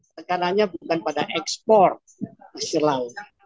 tekanannya bukan pada ekspor hasil laut